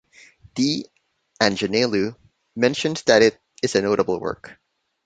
D. Anjaneylu mentions that it is a notable work.